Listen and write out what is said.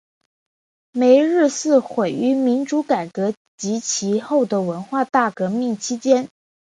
梅日寺毁于民主改革及其后的文化大革命期间。